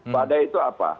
badai itu apa